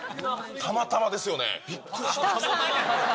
たまたまですよね。